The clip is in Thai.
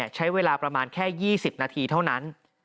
ใช้เวลาประมาณแค่๒๐นาทีเท่านั้น